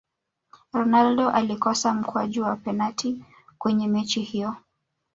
ronaldo alikosa mkwaju wa penati kwenye mechi hiyo